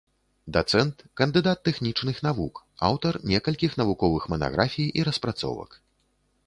Дацэнт, кандыдат тэхнічных навук, аўтар некалькіх навуковых манаграфій і распрацовак.